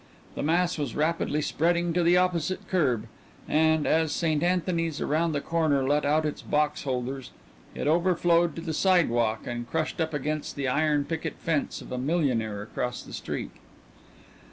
The mass was rapidly spreading to the opposite curb, and, as St. Anthony's around the corner let out its box holders, it overflowed to the sidewalk and crushed up against the iron picket fence of a millionaire across the street.